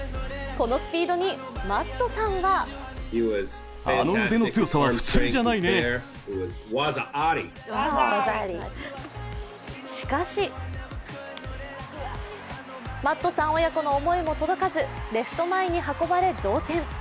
このスピードにマットさんはしかしマットさん親子の思いも届かずレフト前に運ばれ同点。